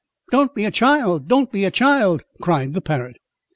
"Don't be a child," "Don't be a child," cried the parrot.